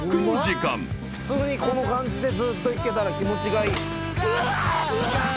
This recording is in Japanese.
普通にこの感じでずっといけたら気持ちがいい。